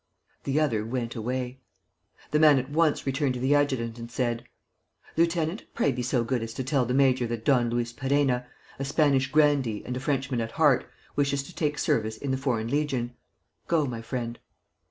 The other went away. The man at once returned to the adjutant and said: "Lieutenant, pray be so good as to tell the major that Don Luis Perenna, a Spanish grandee and a Frenchman at heart, wishes to take service in the Foreign Legion. Go, my friend."